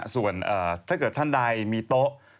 ส่วนถ้าเกิดท่านใดมีโต๊ะ